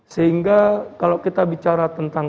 sehingga kalau kita bicara tentang